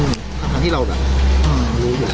ทำที่เราแบบอืมรู้อยู่